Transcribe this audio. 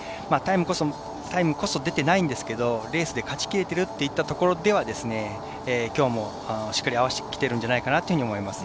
タイムこそ出ていないんですけれどレースで勝ちきれているといったところではきょうもしっかり合わせてきているんじゃないかなと思います。